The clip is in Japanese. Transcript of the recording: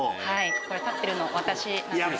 これ立ってるの私なんですけど。